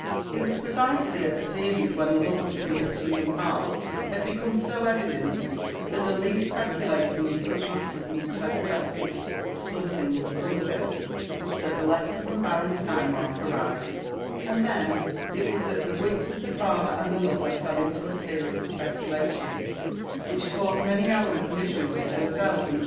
It was precisely at the period when the love between the two young hearts had become so evident that the least speculating in such matters must have expected '* something would come of it," that the letter from the Baron Steinmark arrived ; and then it was that the wits of the father and the lover fell into a series of speculations which caused many hours of misery to themselves and others.